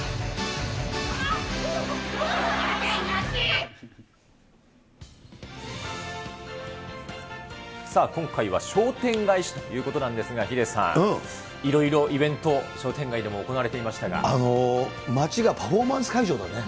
あち、あちぃー。今回は商店街史ということなんですが、ヒデさん、いろいろイベント、商店街でも行われていま街がパフォーマンス会場だね。